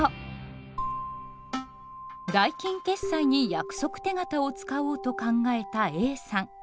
代金決済に約束手形を使おうと考えたＡさん。